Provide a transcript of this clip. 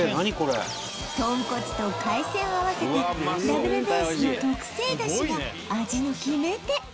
とんこつと海鮮を合わせたダブルベースの特製出汁が味の決め手